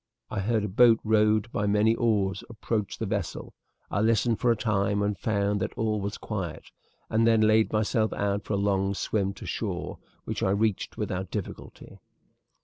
"I heard a boat rowed by many oars approach the vessel. I listened for a time and found that all was quiet, and then laid myself out for the long swim to shore, which I reached without difficulty.